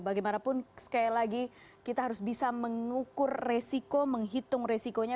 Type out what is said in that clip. bagaimanapun sekali lagi kita harus bisa mengukur resiko menghitung resikonya